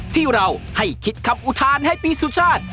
ที่เราให้คิดคำอุทานให้ปีสุชาติ